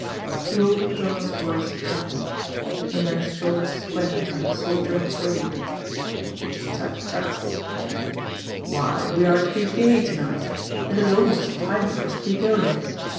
The old colonel's voice trembled. And then his shoulders squared like a soldier on parade. "Tut, tut!" he chided. "Why, we are to be gay to night! And it is almost time for us to be going.